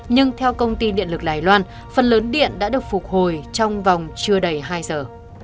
nhưng theo công ty điện lực đài loan phần lớn điện đã được phục hồi trong vòng chưa đầy hai giờ